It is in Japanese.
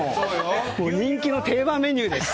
人気の定番メニューです！